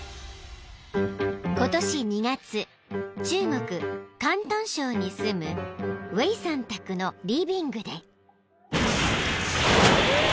［中国広東省に住むウェイさん宅のリビングで］